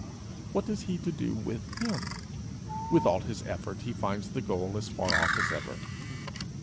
What is he to do with him? With all his effort, he finds the goal as far off as ever.